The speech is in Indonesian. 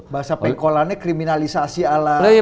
bahasa pengkolannya kriminalisasi ala